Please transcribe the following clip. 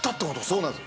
そうなんです。